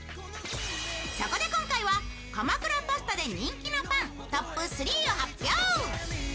そこで、今回鎌倉パスタで人気のパン、トップ３を発表。